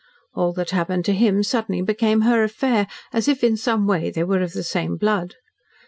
All that happened to him suddenly became her affair, as if in some way they were of the same blood.